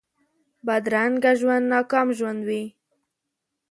بدرنګه ژوند ناکام ژوند وي